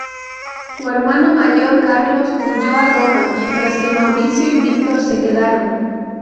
Su hermano mayor Carlos huyó a Roma, mientras que Mauricio y Víctor se quedaron.